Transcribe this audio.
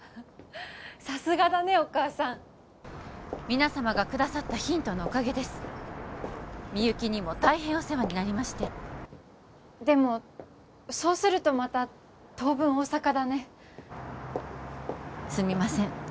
さすがだねお母さん皆様がくださったヒントのおかげですみゆきにも大変お世話になりましてでもそうするとまた当分大阪だねすみません